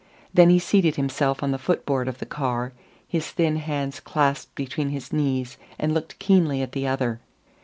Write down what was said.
Then he seated himself on the foot board of the car, his thin hands clasped between his knees, and looked keenly at the other.